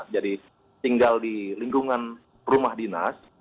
tinggal di lingkungan rumah dinas